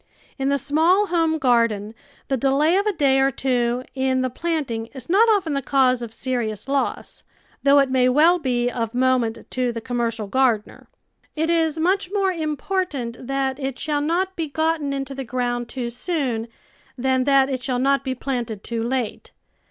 In the small home garden the delay of a day or two in the planting is not often the cause of serious loss, though it may well be of moment to the commer cial gardener. It is much more important that it shall not be gotten into the ground too soon than that it shall not be planted too late.